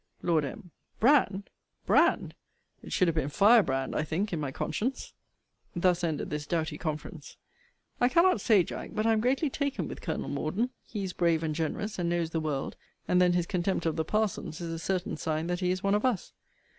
Lord M. Brand! Brand! It should have been Firebrand, I think in my conscience! Thus ended this doughty conference. I cannot say, Jack, but I am greatly taken with Col. Morden. He is brave and generous, and knows the world; and then his contempt of the parsons is a certain sign that he is one of us.